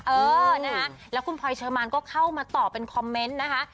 เออนะคะแล้วคุณพลอยเชอร์มานก็เข้ามาตอบเป็นคอมเมนต์นะคะ